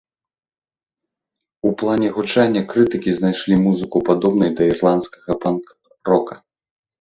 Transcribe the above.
У плане гучання крытыкі знайшлі музыку падобнай да ірландскага панк-рока.